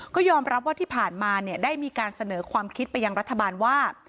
ก็ยอมรับว่าที่ผ่านมาได้มีการเสนอความคิดไปยังรัฐบาลว่า